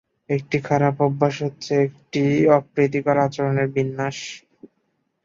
একটি খারাপ অভ্যাস হচ্ছে একটি অপ্রীতিকর আচরণের বিন্যাস।